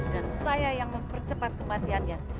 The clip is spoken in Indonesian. dan saya yang mempercepat kematiannya